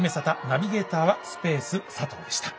ナビゲーターはスペース佐藤でした。